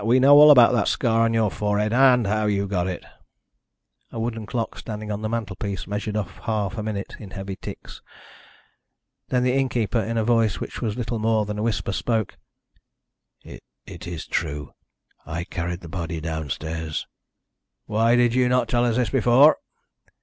We know all about that scar on your forehead, and how you got it." A wooden clock, standing on the mantelpiece, measured off half a minute in heavy ticks. Then the innkeeper, in a voice which was little more than a whisper, spoke: "It is true. I carried the body downstairs." "Why did you not tell us this before?"